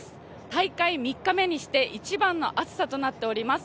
大会３日目にして一番の暑さとなっています。